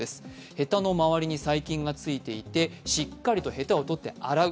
へたの周りに細菌がついていて、しっかりとへたを取って洗う。